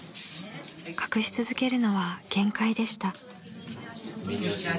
［隠し続けるのは限界でした］